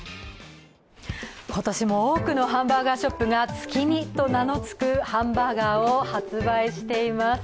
今年も多くのハンバーガーショップが月見と名のつく商品を発売しています。